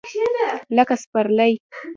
لکه سپرلی !